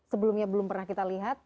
sebelumnya belum pernah kita lihat